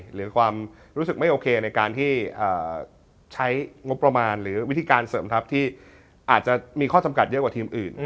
หรือความรู้สึกไม่โอเคในการที่ใช้งบประมาณหรือวิธีการเสริมทัพที่อาจจะมีข้อจำกัดเยอะกว่าทีมอื่น